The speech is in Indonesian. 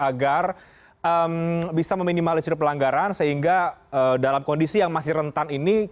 agar bisa meminimalisir pelanggaran sehingga dalam kondisi yang masih rentan ini